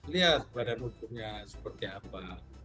lihat badan hukumnya seperti apa